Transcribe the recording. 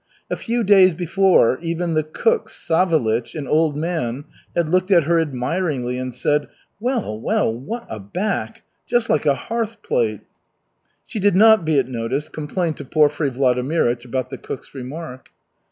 A few days before even the cook Savelich, an old man, had looked at her admiringly and said: "Well, well, what a back! Just like a hearth plate!" She did not, be it noticed, complain to Porfiry Vladimirych about the cook's remark.